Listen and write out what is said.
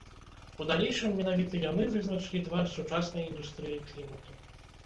У далейшым менавіта яны вызначылі твар сучаснай індустрыі клімату.